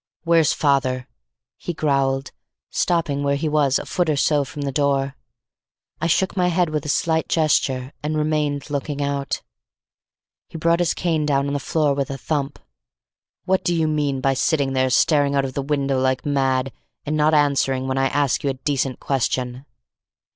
"Where's father?" he growled, stopping where he was a foot or so from the door. I shook my head with a slight gesture and remained looking out. He brought his cane down on the floor with a thump. "What do you mean by sitting there staring out of the window like mad and not answering when I ask you a decent question?"